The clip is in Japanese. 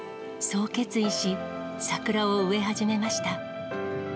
そう決意し、桜を植え始めました。